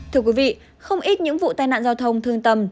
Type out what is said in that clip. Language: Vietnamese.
thưa quý vị không ít những vụ tai nạn giao thông thương tầm